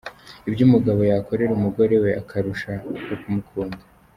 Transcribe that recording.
Ibyo umugabo yakorera umugore we akarushaho kumukunda.